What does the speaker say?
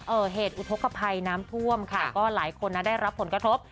เหตุอุทธกภัยน้ำท่วมค่ะก็หลายคนนะได้รับผลกระทบ